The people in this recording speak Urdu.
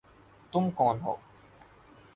تم کون ہو؟